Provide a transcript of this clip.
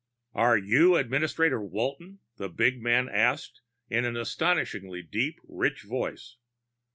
"Are you Administrator Walton?" the big man asked, in an astonishingly deep, rich voice.